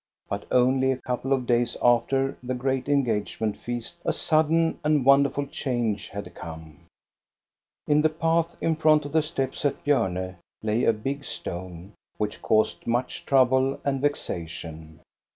But only a couple of days after the great engagement feast a sudden and won derful change had come. In the path in front of the steps at Bjorne lay a big stone, which caused much trouble and vexation.